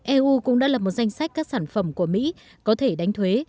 eu cũng đã lập một danh sách các sản phẩm của mỹ có thể đánh thuế